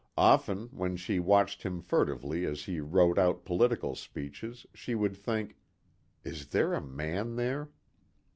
Often when she watched him furtively as he wrote out political speeches should would think, "Is there a man there?"